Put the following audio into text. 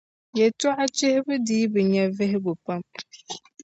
Yɛltͻɣa chihibu dii bi nya vihigu pam.